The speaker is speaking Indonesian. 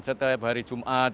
setelah hari jumat